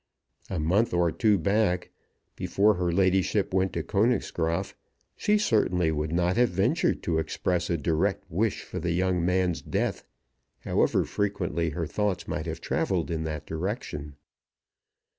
A month or two back, before her ladyship went to Königsgraaf, she certainly would not have ventured to express a direct wish for the young man's death, however frequently her thoughts might have travelled in that direction.